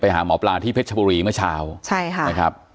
หาหมอปลาที่เพชรชบุรีเมื่อเช้าใช่ค่ะนะครับ